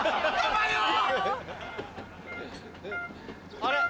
あれ？